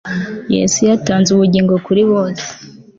yesu yatanze ubugingo kuri bose